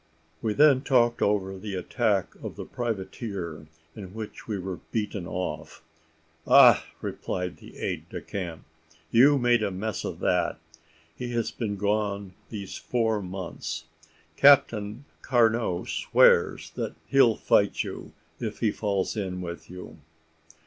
We then talked over the attack of the privateer, in which we were beaten off. "Ah!" replied the aide de camp, "you made a mess of that. He has been gone these four months. Captain Carnot swears that he'll fight you if he falls in with you."